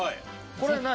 これ何？